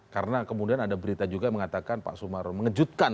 karena kemudian ada berita juga mengatakan pak sumarno mengejutkan